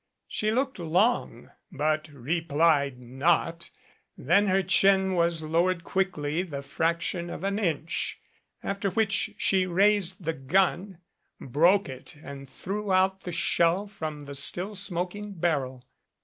She looked long but replied not; then her chin was lowered quickly the fraction of an inch, after which she raised the gun, broke it and threw out the shell from the still smoking barrel.